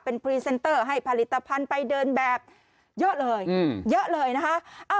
เป็นพรีเซนเตอร์ให้ผลิตภัณฑ์ไปเดินแบบเยอะเลยเยอะเลยนะคะ